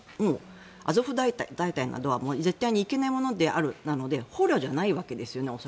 アゾフ大隊などは絶対にいけないものではないので捕虜ではないわけですよね。